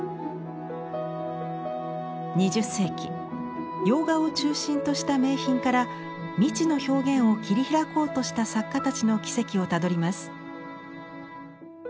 ２０世紀洋画を中心とした名品から未知の表現を切り開こうとした作家たちの軌跡をたどります。